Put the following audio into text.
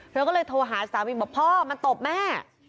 เธอก็เลยโทรหาสามีบอกพ่อมาตบแม่